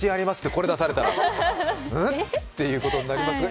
これ出されたら、ん？ってことになりません？